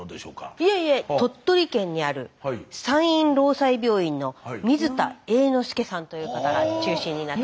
いえいえ鳥取県にある山陰労災病院の水田栄之助さんという方が中心になって。